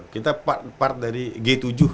kita part part dari g tujuh